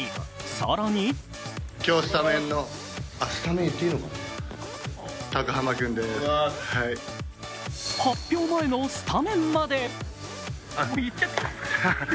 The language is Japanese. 更に発表前のスタメンまで。